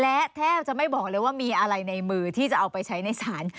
และแทบจะไม่บอกเลยว่ามีอะไรในมือที่จะเอาไปใช้ในศาล